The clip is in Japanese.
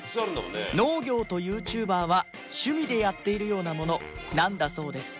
農業と ＹｏｕＴｕｂｅｒ は趣味でやっているようなものなんだそうです